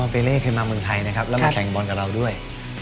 เปเล่เคยมาเมืองไทยนะครับแล้วมาแข่งบอลกับเราด้วย